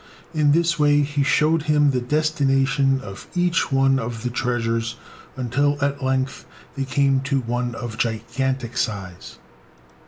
In this way He showed him the destination of each one of the treasures, until at length they came to one of gigantic size.